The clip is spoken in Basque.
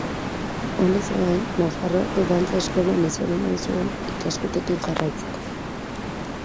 Honez gain, Nafarroako Dantza Eskolan izen eman zuen ikasketekin jarraitzeko.